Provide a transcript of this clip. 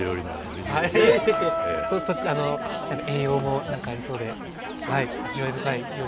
栄養もなんかありそうではい味わい深い料理ですね。